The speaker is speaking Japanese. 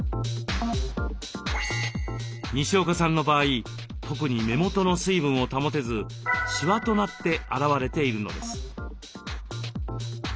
にしおかさんの場合特に目元の水分を保てずしわとなって表れているのです。